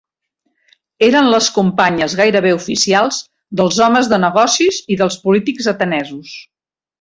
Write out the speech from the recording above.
Eren les companyes gairebé oficials dels homes de negocis i dels polítics atenesos.